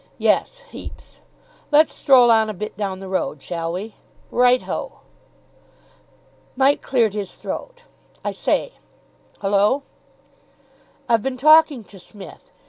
"Yes, heaps." "Let's stroll on a bit down the road, shall we?" "Right ho!" Mike cleared his throat. "I say." "Hullo?" "I've been talking to Smith.